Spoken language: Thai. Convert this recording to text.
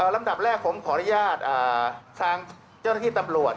ลำดับแรกผมขออนุญาตทางเจ้าหน้าที่ตำรวจ